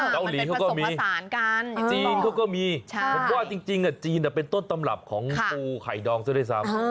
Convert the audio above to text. เกาหลีเขาก็มีสารกันจีนเขาก็มีผมว่าจริงจีนเป็นต้นตำรับของปูไข่ดองซะด้วยซ้ำ